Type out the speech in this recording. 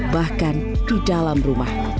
bahkan di dalam rumah